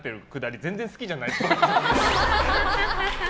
全然好きじゃないっぽい。